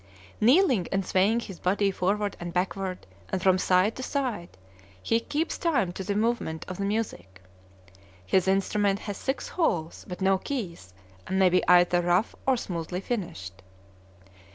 Kneeling and swaying his body forward and backward, and from side to side, he keeps time to the movement of the music. His instrument has six holes, but no keys, and may be either rough or smoothly finished.